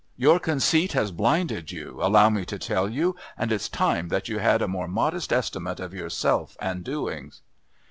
Your conceit has blinded you, allow me to tell you, and it's time that you had a more modest estimate of yourself and doings."